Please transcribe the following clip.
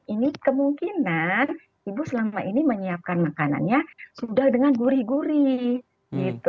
ini kemungkinan ibu selama ini menyiapkan makanannya sudah dengan gurih gurih gitu